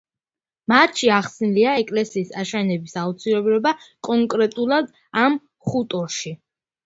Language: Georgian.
მათში ახსნილია ეკლესიის აშენების აუცილებლობა კონკრეტულად ამ ხუტორში.